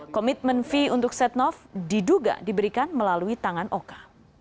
komitmen fee untuk setnov diduga diberikan melalui tangan oka